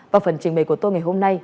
và phần trình bày của tôi ngày hôm nay